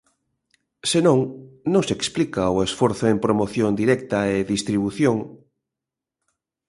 Se non, non se explica o esforzo en promoción directa e distribución...